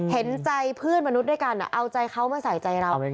เห็นใจเพื่อนมนุษย์ด้วยกันเอาใจเขามาใส่ใจเรา